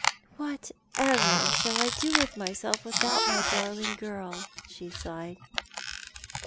" Whatever shall I do with myself without my darling girl?" she sighed.